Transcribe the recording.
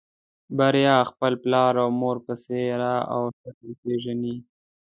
بريا خپل پلار او مور په څېره او شکل پېژني.